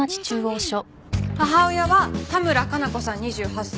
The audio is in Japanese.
母親は多村加奈子さん２８歳。